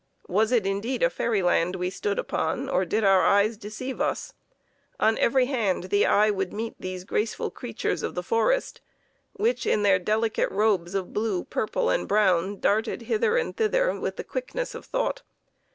Was it indeed a fairyland we stood upon, or did our eyes deceive us. On every hand, the eye would meet these graceful creatures of the forest, which, in their delicate robes of blue, purple and brown, darted hither and thither with the quickness of thought.